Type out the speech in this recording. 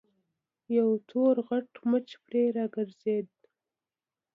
يو تور غټ مچ پرې راګرځېد.